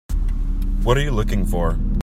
What are you looking for?